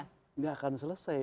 tidak akan selesai